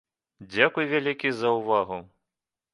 Дзякуй вялікі за ўвагу.